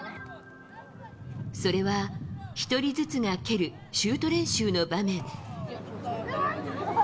それは１人ずつが蹴るシュート練習の場面。